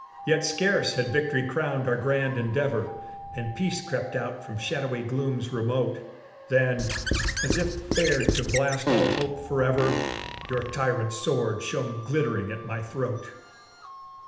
Yet scarce had victory crowned our grand endeavor, And peace crept out from shadowy glooms remote Than as if bared to blast all hope forever, Your tyrant's sword shone glittering at my throat!